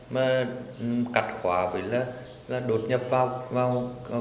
mà cắt khóa với là đột nhập vào